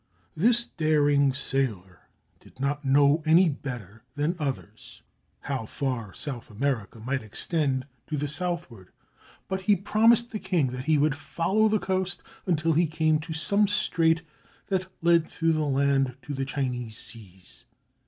This daring sailor did not know any better than others how far South America might extend to the southward, but he promised the king that he 489 SPAIN would follow the coast until he came to some strait that led through the land to the Chinese seas.